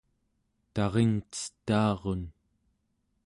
taringcetaarun